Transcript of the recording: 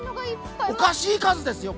おかしい数ですよ。